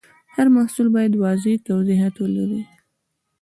هر محصول باید واضح توضیحات ولري.